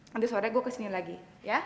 nanti sore gua kesiniin lagi ya